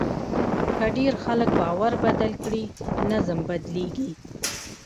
که ډېر خلک باور بدل کړي، نظم بدلېږي.